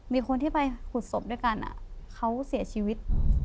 มีคนที่ไปขุดศพด้วยกันเขาเสียชีวิต